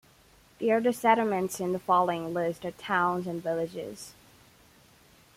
The other settlements in the following list are towns and villages.